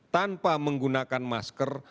tanpa memakai perlindungan